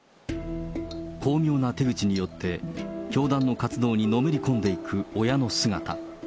巧妙な手口によって、教団の活動にのめり込んでいく親の姿。